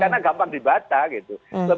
karena gampang dibaca gitu